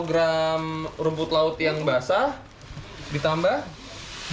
berarti satu kg rumput laut yang basah ditambah delapan kg